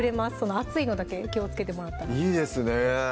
熱いのだけ気をつけてもらったらいいですね